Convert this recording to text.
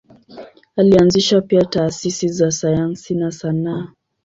Alianzisha pia taasisi za sayansi na sanaa.